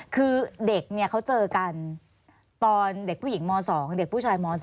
คือเด็กเขาเจอกันตอนเด็กผู้หญิงม๒เด็กผู้ชายม๒